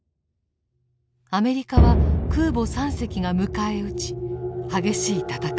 アメリカは空母３隻が迎え撃ち激しい戦いとなりました。